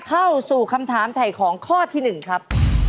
เข้าสู่คำถามถ่ายของข้อที่๑ครับ